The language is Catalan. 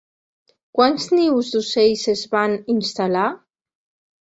Quants nius d'ocells es van instal·lar?